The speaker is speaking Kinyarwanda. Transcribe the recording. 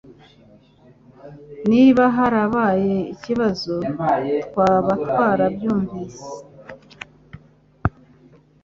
Niba harabaye ikibazo twaba twarabyumvise